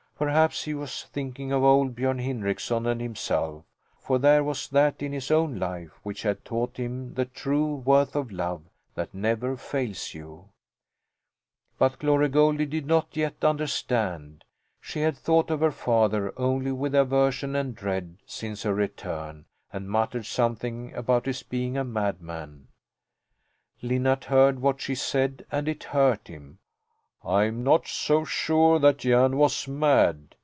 Perhaps he was thinking of old Björn Hindrickson and himself, for there was that in his own life which had taught him the true worth of a love that never fails you. But Glory Goldie did not yet understand. She had thought of her father only with aversion and dread since her return and muttered something about his being a madman. Linnart heard what she said, and it hurt him. "I'm not so sure that Jan was mad!"